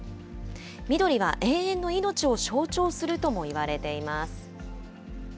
緑は永遠の命を象徴するともいわれています。